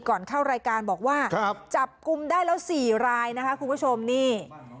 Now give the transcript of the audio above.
ก่อนเข้ารายการบอกว่าจับกลุ่มได้แล้ว๔รายนะคะคุณผู้ชมนี่